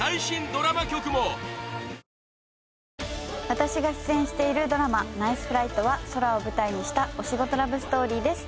私が出演しているドラマ『ＮＩＣＥＦＬＩＧＨＴ！』は空を舞台にしたお仕事ラブストーリーです。